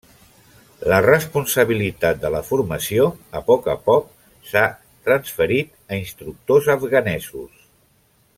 La responsabilitat de la formació a poc a poc s'ha transferit a instructors afganesos.